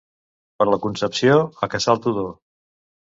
Per la Concepció, a caçar el tudó.